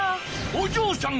おじょうさん！